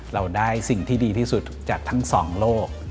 เราได้สิ่งที่ดีที่สุดจากทั้งสองโลก